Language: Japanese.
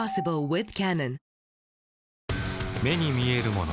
目に見えるもの